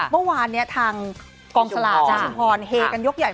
เมื่อวานเนี่ยทางกองศาลชุมพรเฮกันยกใหญ่